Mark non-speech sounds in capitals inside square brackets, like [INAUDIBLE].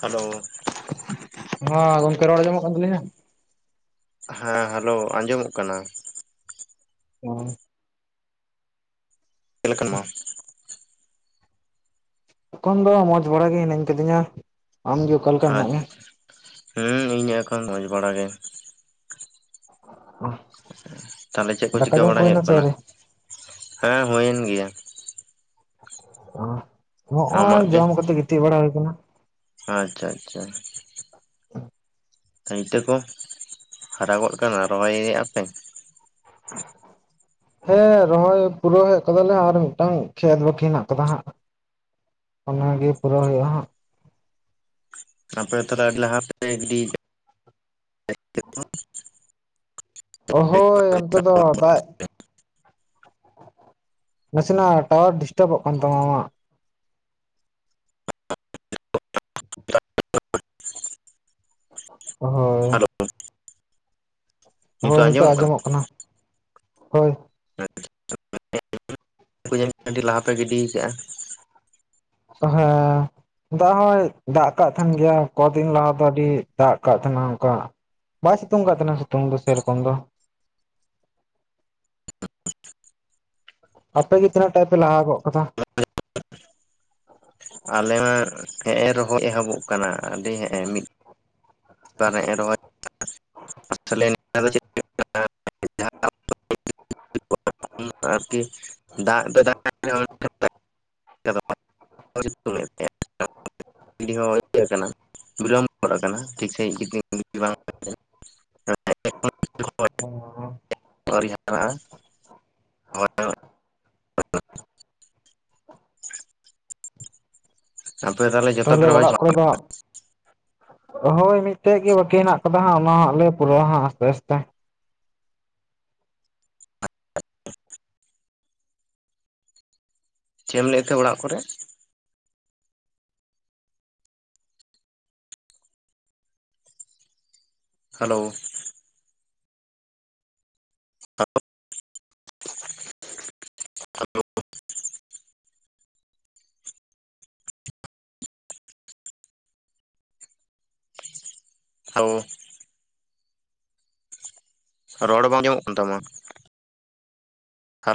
Hello! ᱦᱚᱸ ᱜᱚᱝᱠᱮ ᱨᱚᱲ ᱟᱸᱡᱚᱢᱚ ᱠᱟᱱ ᱛᱟᱹᱞᱤᱧᱟ? ᱦᱮᱸ ᱦᱮᱞᱳ! ᱟᱸᱡᱚᱢᱚᱜ ᱠᱟᱱᱟ ᱾ ᱦᱮᱸ ᱾ ᱪᱮᱫᱞᱮᱠᱟᱱ ᱢᱟ? ᱮᱠᱷᱚᱱ ᱫᱚ ᱢᱚᱸᱡᱽ ᱵᱟᱲᱟ ᱜᱮ ᱦᱤᱱᱟᱹᱧ ᱠᱟᱫᱤᱧᱟ ᱾ ᱟᱢ ᱜᱮ ᱟᱪᱷ ᱦᱩᱸ ᱤᱧ ᱮᱠᱷᱚᱱ ᱢᱚᱡᱽ ᱵᱟᱲᱟ ᱜᱮ ᱾ ᱚ ᱾ ᱛᱟᱦᱚᱞᱮ ᱪᱮᱫ ᱠᱚ ᱪᱤᱠᱟᱹ ᱵᱟᱲᱟ ᱦᱩᱭᱩᱜ ᱠᱟᱱᱟ? ᱟᱹᱣᱨᱤ? ᱦᱮᱸ ᱦᱩᱭᱮᱱ ᱜᱮᱭᱟ ᱾ ᱚ, ᱟᱢᱟᱜ ᱦᱚᱜᱼᱚᱭ ᱜᱮ ᱡᱚᱢ ᱠᱟᱛᱮ ᱜᱤᱛᱤᱡ ᱵᱟᱲᱟ ᱦᱩᱭ ᱠᱟᱱᱟ ᱾ ᱟᱪᱪᱷᱟ ᱟᱪᱪᱷᱟ ᱾ [INAUDIBLE] ᱤᱛᱟᱹ ᱠᱚ ᱦᱟᱨᱟᱜᱚᱫ ᱠᱟᱱᱟ ᱨᱚᱦᱚᱭ ᱮᱫ ᱟᱯᱮ? [INAUDIBLE] ᱦᱮᱸ ᱨᱚᱦᱚᱭ ᱯᱩᱨᱟᱹᱳ ᱦᱮᱡ ᱠᱟᱫᱟᱞᱮ ᱟᱨ ᱢᱤᱫᱴᱟᱝ ᱠᱷᱮᱛ ᱵᱟᱹᱠᱤ ᱦᱮᱱᱟᱜ ᱠᱟᱫᱟ ᱦᱟᱸᱜ᱾ ᱚᱱᱟᱜ ᱜᱮ ᱯᱩᱨᱟᱹᱳ ᱦᱩᱭᱩᱜ-ᱟ ᱦᱟᱸᱜ᱾ ᱟᱯᱮ ᱛᱟᱦᱚᱞᱮ ᱟᱹᱰᱤ ᱞᱟᱦᱟ ᱛᱮᱯᱮ ᱜᱤᱰᱤ [UNINTELLIGIBLE] ᱚ ᱦᱳᱭ ᱚᱱᱛᱮ ᱫᱚ ᱫᱟᱭ ᱱᱟᱥᱮᱱᱟᱜ ᱴᱟᱣᱟᱨ ᱰᱤᱥᱴᱟᱵᱚᱜ ᱠᱟᱱ ᱛᱟᱢᱟ ᱟᱢᱟᱜ᱾ ᱚ ᱦᱚ᱾ [UNINTELLIGIBLE] ᱦᱳᱭ ᱱᱤᱛᱚᱜ ᱟᱸᱡᱚᱢᱚᱜ ᱠᱟᱱᱟ ᱦᱳᱭ᱾ [UNINTELLIGIBLE] ᱦᱳᱭ ᱟᱹᱰᱤ ᱞᱟᱦᱟ ᱯᱮ ᱜᱤᱰᱤ ᱠᱟᱜ-ᱟ᱾ ᱚ ᱦᱮᱸ᱾ ᱫᱟᱜ ᱦᱚᱭ ᱫᱟᱜ ᱠᱟᱫ ᱛᱟᱦᱮᱱ ᱜᱮᱭᱟ ᱠᱚᱫᱤᱱ ᱞᱟᱦᱟ ᱫᱚ ᱟᱹᱰᱤ ᱫᱟᱜ ᱠᱟᱜ ᱛᱟᱦᱮᱸᱱᱟ ᱚᱱᱠᱟ, ᱵᱟᱭ ᱥᱤᱛᱩᱝ ᱠᱟᱜ ᱠᱟᱱᱟ ᱥᱤᱛᱩᱝ ᱫᱚ ᱥᱮᱨᱚᱠᱚᱢ ᱫᱚ᱾ ᱟᱯᱮᱜᱮ ᱛᱤᱹᱱᱟᱜ ᱴᱟᱜᱯᱮ ᱞᱟᱦᱟ ᱜᱚᱫ ᱠᱟᱫᱟ᱾ ᱟᱞᱮ ᱢᱟ ᱦᱮᱸᱜᱼᱮ ᱨᱚᱦᱚᱭ ᱮᱦᱚᱵᱚᱜ ᱠᱟᱱᱟ ᱟᱹᱰᱤ ᱦᱮᱸᱜᱼᱮ ᱢᱤᱫ ᱵᱟᱨ ᱮᱸᱜᱮ ᱨᱚᱦᱚᱭ [UNINTELLIGIBLE] [UNINTELLIGIBLE] ᱟᱨᱠᱤ ᱫᱟᱜ ᱫᱚᱭ ᱫᱟᱜ [UNINTELLIGIBLE] [UNINTELLIGIBLE] ᱜᱤᱰᱤ ᱦᱚᱸ ᱦᱳᱭ ᱟᱠᱟᱱᱟ ᱵᱤᱞᱚᱢ ᱜᱚᱫ ᱟᱠᱟᱱᱟ ᱴᱷᱤᱠ ᱥᱟᱺᱦᱤᱡ ᱡᱩᱫᱤ ᱵᱟᱝ [UNINTELLIGIBLE] ᱦᱚᱸ ᱦᱚᱸ ᱟᱹᱣᱨᱤ ᱦᱟᱨᱟᱜᱼᱟ ᱾ [UNINTELLIGIBLE] [INAUDIBLE] ᱟᱯᱮ ᱛᱟᱦᱚᱞᱮ ᱡᱚᱛᱚ ᱯᱮ ᱛᱟᱦᱚᱞᱮ ᱨᱚᱦᱚᱭ ᱚᱲᱟᱜ ᱪᱟᱵᱟ ᱠᱚᱨᱮ ᱫᱚ ᱦᱟᱸᱜ ᱦᱳᱭ, ᱢᱤᱜᱴᱮᱜ ᱜᱮ ᱵᱟᱹᱠᱤ ᱦᱮᱱᱟᱜ ᱠᱟᱫᱟ ᱦᱟᱸᱜ, ᱚᱱᱟ ᱦᱟᱸᱜ ᱞᱮ ᱯᱩᱨᱟᱹᱣᱟ ᱦᱟᱸᱜ ᱟᱥᱛᱮ ᱟᱥᱛᱮ ᱾ ᱪᱮᱜ ᱮᱢ ᱞᱮᱭᱮᱜ ᱛᱟᱸᱦᱮ ᱚᱲᱟᱜ ᱠᱚᱨᱮᱜ? ᱦᱮᱞᱳ᱾ [UNINTELLIGIBLE] ᱦᱮᱞᱳ᱾ ᱨᱚᱲ ᱵᱟᱝ ᱟᱡᱚᱢᱚᱜ ᱠᱟᱱ ᱛᱟᱢᱟ᱾